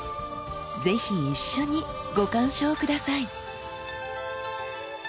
ぜひ一緒にご鑑賞下さい。